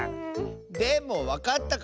でもわかったかも！